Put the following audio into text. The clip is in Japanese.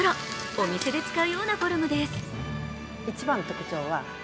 お店で使うようなフォルムです。